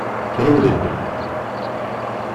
Trewled.